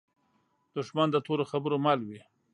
دښمن د تورو خبرو مل وي